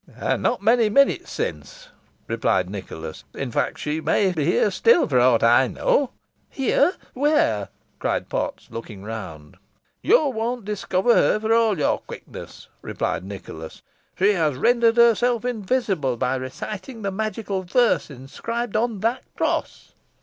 "Not many minutes since," replied Nicholas. "In fact, she may be here still for aught I know." "Here! where?" cried Potts, looking round. "You won't discover her for all your quickness," replied Nicholas. "She has rendered herself invisible, by reciting the magical verses inscribed on that cross."